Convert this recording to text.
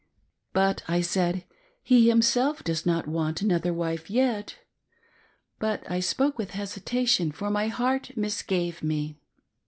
"But," I said, "he himself does not want another wife yet." But I spoke with hesitation, for my heart misgave me.